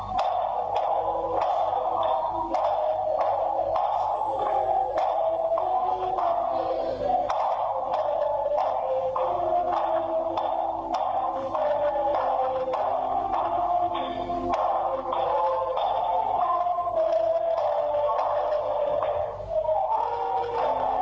สวัสดีครับ